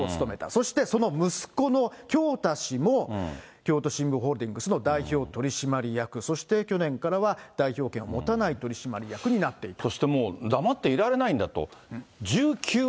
そして、その息子の京大氏も、京都新聞ホールディングスの代表取締役、そして去年からは代表権を持たない取締役になっていた。